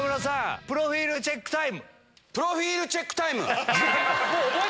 プロフィールチェックタイム。